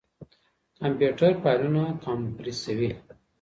کمپيوټر فايلونه کمپريسوي.